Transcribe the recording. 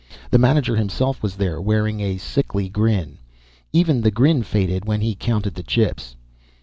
The manager himself was there, wearing a sickly grin. Even the grin faded when he counted the chips.